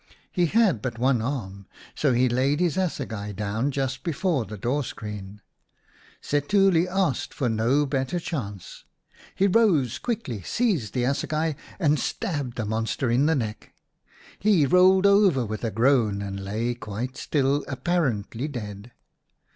He had but one arm, so he laid his assegai down just before the door screen. Setuli asked for no better chance ; he rose quickly, seized the assegai and stabbed the monster in the neck. He rolled over with a groan and lay quite still, apparently dead.